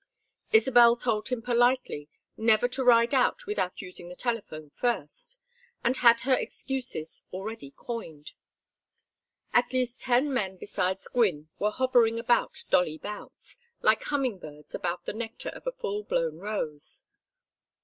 Isabel told him politely never to ride out without using the telephone first, and had her excuses already coined. At least ten men be sides Gwynne were hovering about Dolly Boutts, like humming birds about the nectar of a full blown rose.